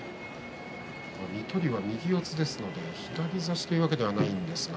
水戸龍は右四つですので左差しというわけではないんですが。